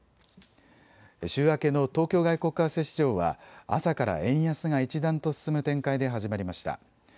週明けの東京外国為替市場は朝から円安が一段と進む展開で始まりました。